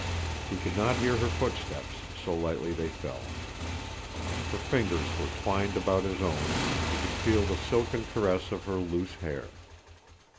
He could not hear her footsteps, so lightly they fell! her fingers were twined about his own, and he could feel the silken caress of her loose hair.